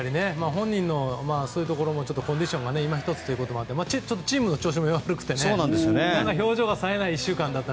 本人のコンディションが今一つということもあるしチームの調子も悪くてね表情がさえない１週間だった。